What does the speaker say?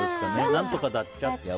何とかだっちゃって。